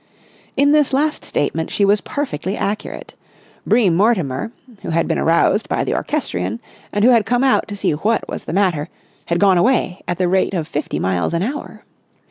In this last statement she was perfectly accurate. Bream Mortimer, who had been aroused by the orchestrion and who had come out to see what was the matter, had gone away at the rate of fifty miles an hour.